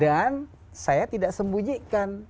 dan saya tidak sembunyikan